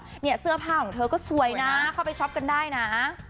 เนี่ยเสื้อผ้าของเธอก็สวยนะเข้าไปช็อปกันได้นะ